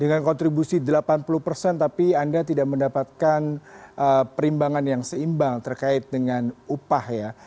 dengan kontribusi delapan puluh persen tapi anda tidak mendapatkan perimbangan yang seimbang terkait dengan upah ya